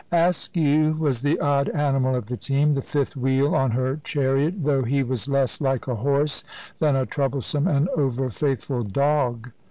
Askew was the odd animal of the team, the fifth wheel on her chariot, though he was less like a horse than a troublesome and over faithful dog.